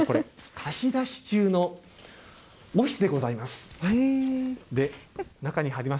貸し出し中のオフィスでございます。